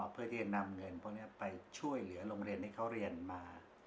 เพื่อที่จะนำเงินพวกนี้ไปช่วยเหลือโรงเรียนที่เขาเรียนมา